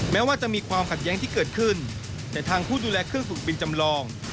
แม้ว่าจะมีความขัดแย้งที่เกิดขึ้นแต่ทางผู้ดูแลเครื่องฝึกบินจำลอง